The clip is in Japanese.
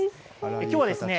きょうはですね